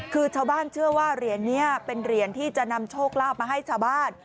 คือชาวบ้านเชื่อว่าเหรียญนี้เป็นเหรียญที่จะนำโชคลาภมาให้ชาวบ้าน